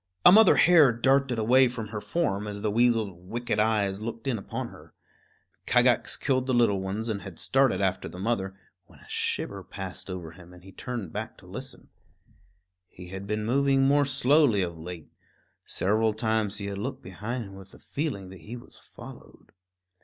A mother hare darted away from her form as the weasel's wicked eyes looked in upon her. Kagax killed the little ones and had started after the mother, when a shiver passed over him and he turned back to listen. He had been moving more slowly of late; several times he had looked behind him with the feeling that he was followed.